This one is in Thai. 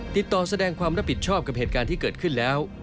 แสดงความรับผิดชอบกับเหตุการณ์ที่เกิดขึ้นแล้ว